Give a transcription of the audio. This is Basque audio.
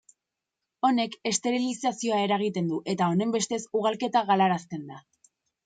Honek esterilizazioa eragiten du, eta honenbestez ugalketa galarazten da.